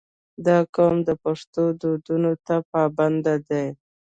• دا قوم د پښتو دودونو ته پابند دی.